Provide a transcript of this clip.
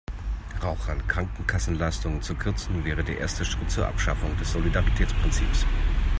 Rauchern Krankenkassenleistungen zu kürzen wäre der erste Schritt zur Abschaffung des Solidaritätsprinzips.